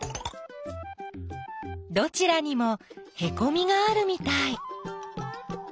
どちらにもへこみがあるみたい。